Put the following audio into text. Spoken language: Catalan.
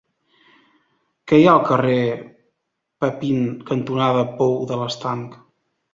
Què hi ha al carrer Papin cantonada Pou de l'Estanc?